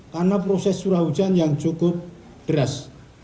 karena proses suraujan yang cukup deras